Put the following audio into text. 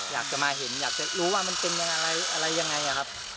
อยากจะมาเห็นอยากจะรู้ว่ามันเป็นยังไงอะไรยังไงอะครับ